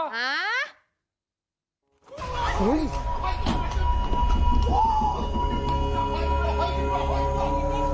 โฮ้ย